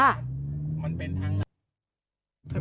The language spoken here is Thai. มันเป็นทางไหน